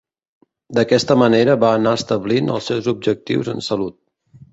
D'aquesta manera va anar establint els seus objectius en salut.